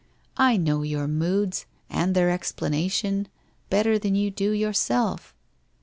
I know your moods, and their explana tion, better than you do yourself.